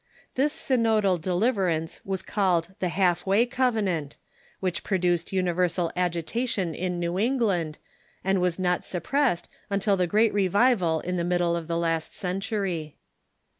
This synodal deliverance was called the Half way Cov enant, which produced universal agitation in New England, and was not suppressed until the great revival in the middle of the last century.